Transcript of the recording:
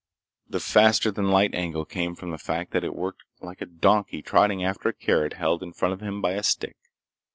The faster than light angle came from the fact that it worked like a donkey trotting after a carrot held in front of him by a stick.